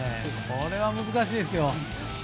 これは難しいですよ。